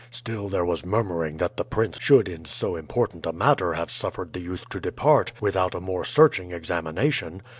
Still there was murmuring that the prince should in so important a matter have suffered the youth to depart without a more searching examination.